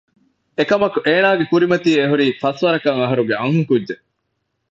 އެކަމަކު އޭނާގެ ކުރިމަތީ އެހުރީ ފަސްވަރަކަށް އަހަރުގެ އަންހެންކުއްޖެއް